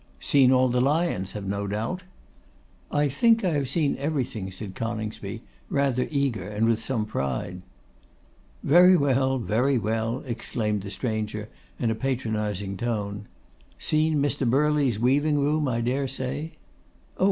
'Seen all the lions, have no doubt?' 'I think I have seen everything,' said Coningsby, rather eager and with some pride. 'Very well, very well,' exclaimed the stranger, in a patronising tone. 'Seen Mr. Birley's weaving room, I dare say?' 'Oh!